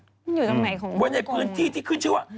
มันอยู่ตรงไหนของไว้ในพื้นที่ที่ขึ้นชื่อว่า